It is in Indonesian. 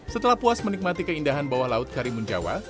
setelah puas menikmati keindahan bawah laut karimun jawa